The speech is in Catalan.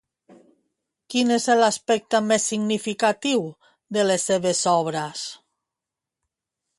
Quin és l'aspecte més significatiu de les seves obres?